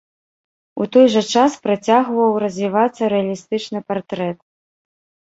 У той жа час працягваў развівацца рэалістычны партрэт.